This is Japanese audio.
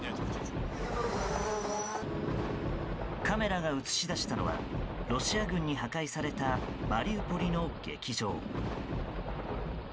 カメラが映し出したのはロシア軍に破壊されたマリウポリの劇場。